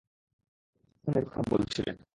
কয়লা খনির কথা বলছিলেন।